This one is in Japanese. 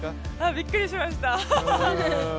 びっくりしました。